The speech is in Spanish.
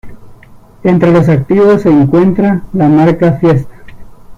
Entre los activos se encuentra la marca "Fiesta".